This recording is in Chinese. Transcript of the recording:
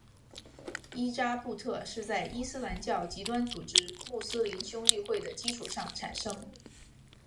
伊扎布特是在伊斯兰教极端组织穆斯林兄弟会的基础上产生。